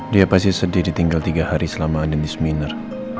dia pasti sedih ditinggal tiga hari selama andien di seminar